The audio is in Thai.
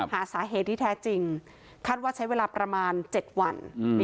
หาสาธิตจริงคัดว่าใช้เวลาประมาณ๗วัน